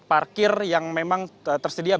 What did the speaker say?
dan juga beberapa slot parkir yang memang harus disediakan